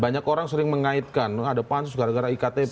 banyak orang sering mengaitkan ada pansus gara gara iktp